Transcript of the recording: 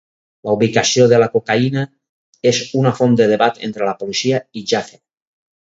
La ubicació de la cocaïna és una font de debat entre la policia i Jaffer.